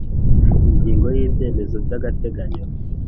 Ingingo y Ibyemezo by agateganyo